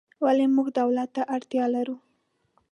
ولې موږ دولت ته اړتیا لرو؟